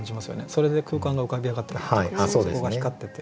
それで空間が浮かび上がってくるというかそこが光ってて。